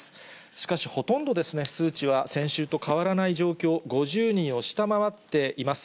しかし、ほとんどですね、数値は先週と変わらない状況、５０人を下回っています。